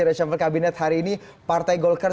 reshuffle kabinet hari ini partai golkar